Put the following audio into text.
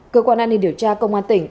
cơ quan an ninh điều tra công an tỉnh